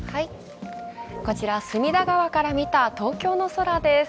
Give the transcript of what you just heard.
こちらは隅田川から見た東京の空です。